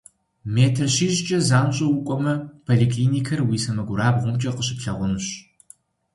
Метр щищкӏэ занщӏэу укӏуэмэ, поликлиникэр уи сэмэгурабгъумкӏэ къыщыплъагъунущ.